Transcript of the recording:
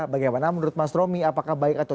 bagaimana menurut mas romi apakah baik atau